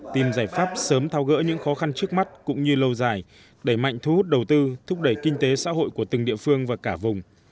tìm giải pháp sớm thao gỡ những khó khăn trước mắt cũng như lâu dài đẩy mạnh thu hút đầu tư thúc đẩy kinh tế xã hội của từng địa phương và cả vùng